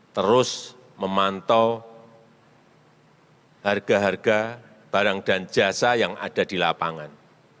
terus memantau harga harga barang dan jasa yang ada di lapangan